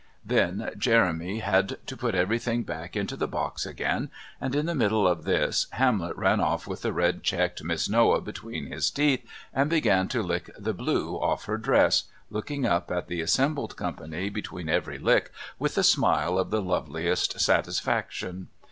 Then Jeremy had to put everything back into the box again, and in the middle of this Hamlet ran off with the red checked Miss Noah between his teeth and began to lick the blue off her dress, looking up at the assembled company between every lick with a smile of the loveliest satisfaction.